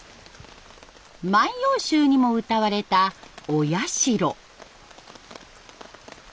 「万葉集」にもうたわれたお社。